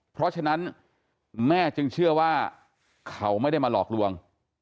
เพราะฉะนั้นแม่จึงเชื่อว่าเขาไม่ได้มาหลอกลวง